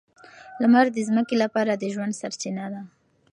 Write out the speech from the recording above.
لمر د ځمکې لپاره د ژوند سرچینه ده.